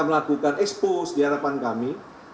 melakukan ekspos di hadapan kami